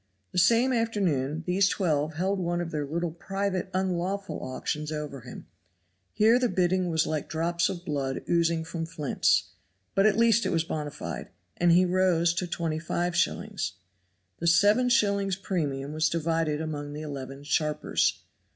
The same afternoon these twelve held one of their little private unlawful auctions over him; here the bidding was like drops of blood oozing from flints, but at least it was bona fide, and he rose to 25s. The seven shillings premium was divided among the eleven sharpers.